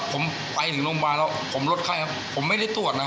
ผมไปถึงโรงพยาบาลแล้วผมลดไข้ครับผมไม่ได้ตรวจนะ